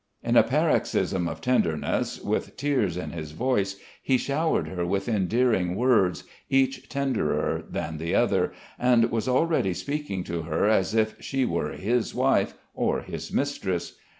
In a paroxysm of tenderness with tears in his voice, he showered her with endearing words each tenderer than the other, and was already speaking to her as if she were his wife or his mistress.